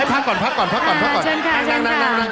ค่ะเอาเลยพักก่อนเข้านั่ง